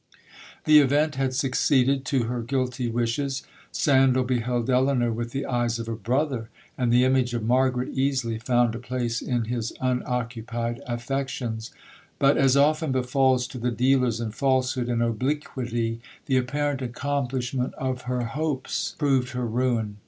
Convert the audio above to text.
'The event had succeeded to her guilty wishes.—Sandal beheld Elinor with the eyes of a brother, and the image of Margaret easily found a place in his unoccupied affections. But, as often befals to the dealers in falsehood and obliquity, the apparent accomplishment of her hopes proved her ruin.